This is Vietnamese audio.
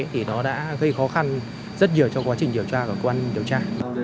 thì nó đã gây khó khăn rất nhiều trong quá trình điều tra của cơ quan điều tra